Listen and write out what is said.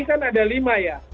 kan ada lima ya